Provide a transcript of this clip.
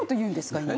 今。